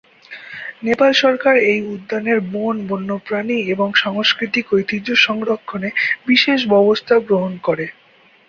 নেপাল সরকার এই উদ্যানের বন, বন্যপ্রাণী এবং সাংস্কৃতিক ঐতিহ্য সংরক্ষণে বিশেষ ব্যবস্থা গ্রহণ করে।